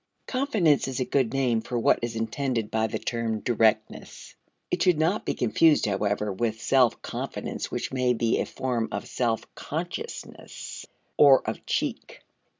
Confidence is a good name for what is intended by the term directness. It should not be confused, however, with self confidence which may be a form of self consciousness or of "cheek."